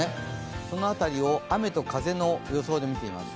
その辺りを雨と方の予報で見ていきます。